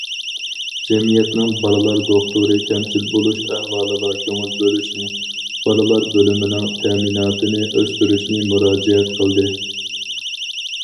جەمئىيەتنىڭ بالىلار دوختۇرى كەمچىل بولۇش ئەھۋالىغا كۆڭۈل بۆلۈشنى، بالىلار بۆلۈمىنىڭ تەمىناتىنى ئۆستۈرۈشنى مۇراجىئەت قىلدى.